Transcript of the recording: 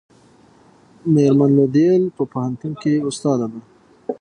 میرمن لو د ییل په پوهنتون کې استاده ده.